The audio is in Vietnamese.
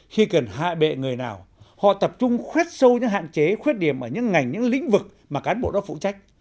khi cần hạ bệ người nào họ tập trung khoét sâu những hạn chế khuyết điểm ở những ngành những lĩnh vực mà cán bộ đó phụ trách